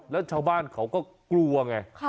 แล้วชาวบ้านเขาก็กลัวไง